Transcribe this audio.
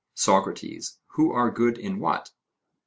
SOCRATES: Who are good in what?